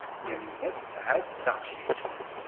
Yamina tesɛa-d taqcict.